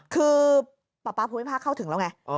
คือป๊าป๊าภูมิภาคเข้าถึงแล้วไง